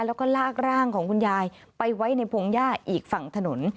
แล้วก็ลากร่างของคุณยายไปไว้ในพงหญ้าอีกฝั่งถนน